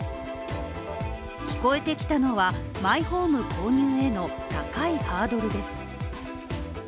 聞こえてきたのは、マイホーム購入への高いハードルです。